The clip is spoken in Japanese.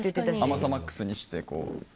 甘さマックスにして。